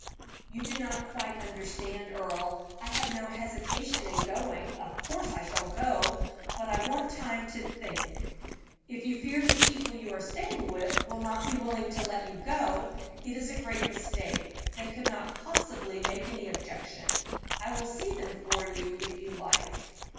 "You do not quite understand, Earle. I have no hesitation in going. Of course I shall go, but I want time to think." "If you fear the people you are staying with will not be willing for you to go, it is a great mistake; they could not possibly make any objection. I will see them for you, if you like."